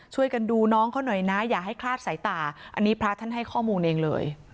ช่วยกันดูน้องเขาหน่อยนะอย่าให้คลาดสายตาอันนี้พระท่านให้ข้อมูลเองเลย